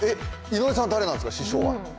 井上さんは誰なんですか、師匠は？